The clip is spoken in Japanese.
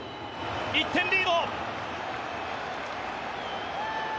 １点リード。